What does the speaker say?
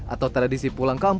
atau tradisi pulang ke jawa timur